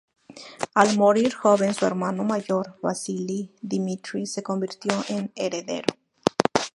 Al morir joven su hermano mayor Vasili, Dmitri se convirtió en heredero.